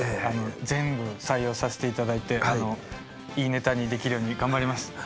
全部採用させていただいていいネタにできるように頑張ります。